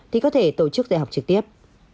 thì có thể tổ chức dạy học trực tiếp